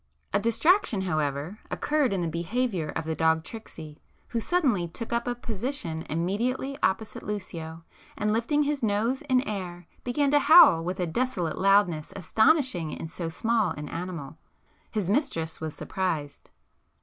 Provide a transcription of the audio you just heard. A distraction however occurred in the behaviour of the dog Tricksy, who suddenly took up a position immediately opposite Lucio, and lifting his nose in air began to howl with a desolate loudness astonishing in so small an animal. His mistress was surprised.